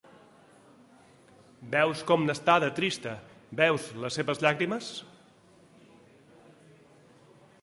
Veus com n'està, de trista, veus les seves llàgrimes?